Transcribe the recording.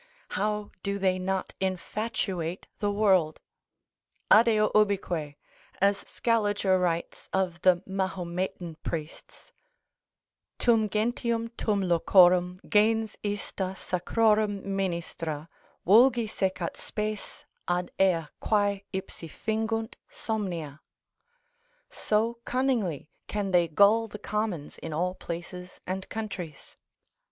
How do they not infatuate the world? Adeo ubique (as Scaliger writes of the Mahometan priests), tum gentium tum locorum, gens ista sacrorum ministra, vulgi secat spes, ad ea quae ipsi fingunt somnia, so cunningly can they gull the commons in all places and countries.